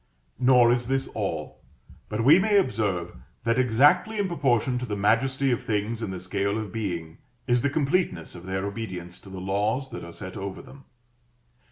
Nor is this all; but we may observe, that exactly in proportion to the majesty of things in the scale of being, is the completeness of their obedience to the laws that are set over them.